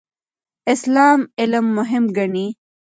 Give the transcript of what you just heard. اسلام علم مهم ګڼي.